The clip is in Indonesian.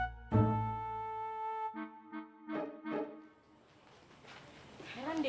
eh yang adil